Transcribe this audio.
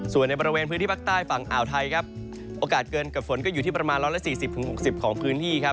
ส่วนในบริเวณพื้นที่ภาคใต้ฝั่งอ่าวไทยครับโอกาสเกินกับฝนก็อยู่ที่ประมาณ๑๔๐๖๐ของพื้นที่ครับ